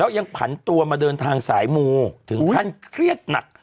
ยังผันตัวมาเดินทางสายมูถึงขั้นเครียดหนัก